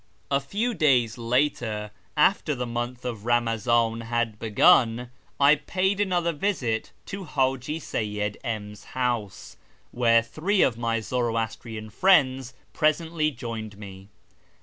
■■o YEZD 401 A few days later, after the montli of Eamazan had begun, I paid another visit to Haji Seyyid M 's house, where three of my Zoroastrian friends presently joined me.